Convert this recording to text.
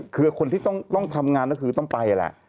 คือคนที่ต้องทำงานก็คือต้องไปแหละ